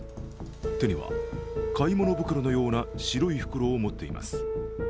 手には買い物袋のような白い袋を持っています